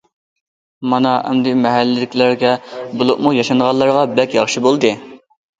مانا ئەمدى مەھەللىدىكىلەرگە، بولۇپمۇ ياشانغانلارغا بەك ياخشى بولدى.